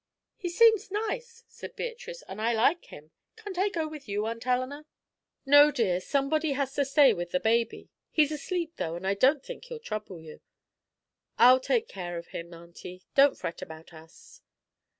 "He seems nice," said Beatrice, "and I like him. Can't I go with you, Aunt Eleanor?" "No, dear somebody has to stay with the baby. He's asleep, though, and I don't think he'll trouble you." "I'll take care of him, Aunty. Don't fret about us."